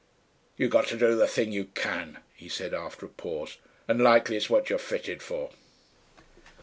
"You've got to do the thing you can," he said, after a pause, "and likely it's what you're fitted for."